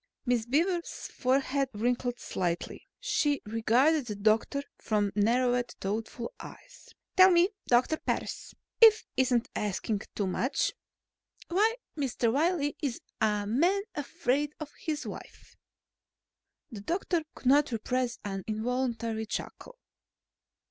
Miss Beaver's forehead wrinkled slightly. She regarded the doctor from narrowed, thoughtful eyes. "Tell me, Doctor Parris, if it isn't asking too much, why Mr. Wiley is a Man Afraid of his Wife?" The doctor could not repress an involuntary chuckle.